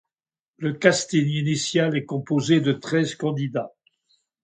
Le casting initial est composé de treize candidats.